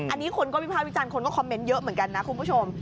อันนี้คุณก็พี่พาวพี่จันคุณก็คอมเมนต์เยอะเหมือนกันนะคุณผู้ชม